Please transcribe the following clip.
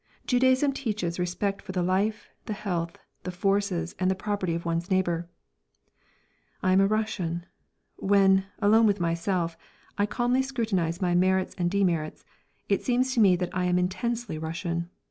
"Judaism teaches respect for the life, the health, the forces and the property of one's neighbour." I am a Russian. When, alone with myself, I calmly scrutinise my merits and demerits, it seems to me that I am intensely Russian.